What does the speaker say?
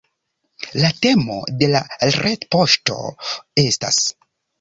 La temo de la retpoŝto estas